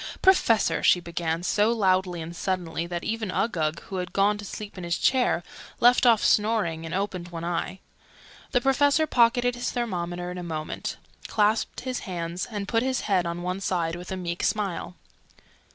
"Professor!" she began, so loudly and suddenly that even Uggug, who had gone to sleep in his chair, left off snoring and opened one eye. The Professor pocketed his thermometer in a moment, clasped his hands, and put his head on one side with a meek smile.